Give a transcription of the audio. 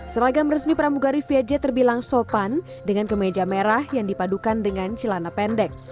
seragam resmi pramugari vietjet terbilang sopan dengan kemeja merah yang dipadukan dengan celana pendek